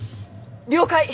了解！